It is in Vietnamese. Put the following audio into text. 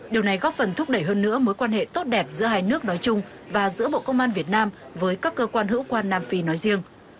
điều này góp phần thúc đẩy hơn nữa mối quan hệ tốt đẹp giữa hai nước nói chung và giữa bộ công an việt nam với các cơ quan hữu quan nam phi nói riêng